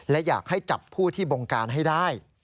และอยากให้จับผู้ที่บงการให้ได้